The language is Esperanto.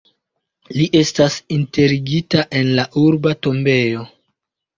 Li estas enterigita en la urba tombejo.